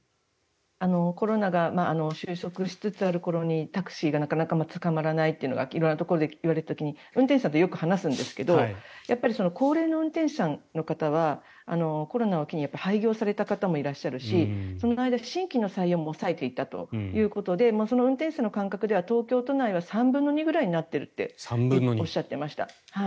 コロナが収束しつつある頃にタクシーがなかなかつかまらないというのが色々なところで言われた時に運転手さんとよく話すんですが高齢の運転手さんの方はコロナを機に廃業された方もいらっしゃるしその間、新規の採用も抑えていたということでその運転手さんの感覚では東京都内は３分の２ぐらいになっているとおっしゃっていました。